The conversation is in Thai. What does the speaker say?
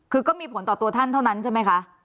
คือก็มีผลต่อตัวท่านเท่านั้นใช่ไหมคะ